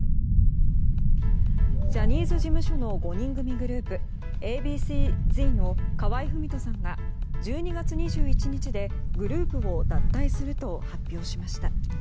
ジャニーズ事務所の５人組グループＡ．Ｂ．Ｃ‐Ｚの河合郁人さんが１２月２１日でグループを脱退すると発表しました。